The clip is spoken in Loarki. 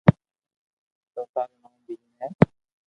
چوٿا رو نوم ڀيم ھي